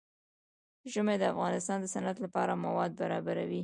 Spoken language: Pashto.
ژمی د افغانستان د صنعت لپاره مواد برابروي.